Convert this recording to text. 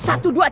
satu dua tiga